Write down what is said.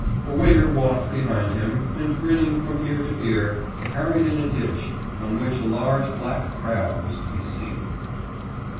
A waiter walked behind him, and grinning from ear to ear, carried in a dish, on which a large black crab was to be seen.